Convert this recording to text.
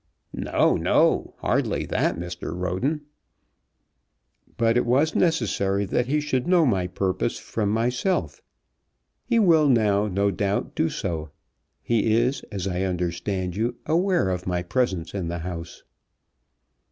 "No, no; hardly that, Mr. Roden." "But it was necessary that he should know my purpose from myself. He will now, no doubt, do so. He is, as I understand you, aware of my presence in the house."